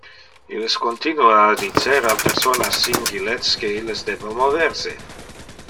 Illes continua a dicer al personas sin gilets que illes debe mover se.